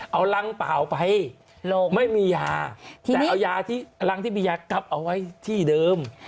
เอารังเปล่าไปไม่มียาแต่เอายาที่รังที่มียากับเอาไว้ที่เดิม